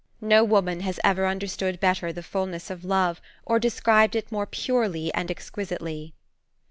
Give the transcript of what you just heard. No woman has ever understood better the fulness of love, or described it more purely and exquisitely.